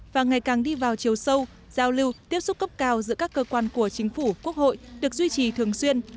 và ngày càng đi vào chiều sâu giao lưu tiếp xúc cấp cao giữa các cơ quan của chính phủ quốc hội được duy trì thường xuyên